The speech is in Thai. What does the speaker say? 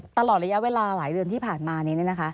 ตลอดระยะเวลาหลายเดือนที่ผ่านมานี้